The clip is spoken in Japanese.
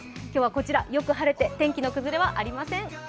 今日はこちら、よく晴れて天気の崩れはありません。